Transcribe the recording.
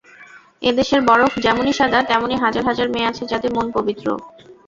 এদেশের বরফ যেমনি সাদা, তেমনি হাজার হাজার মেয়ে আছে, যাদের মন পবিত্র।